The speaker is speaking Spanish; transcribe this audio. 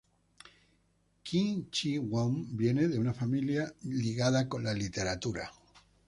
Kim Chi-won viene de una familia ligada con la literatura.